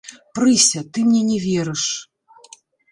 Прыся, ты мне не верыш.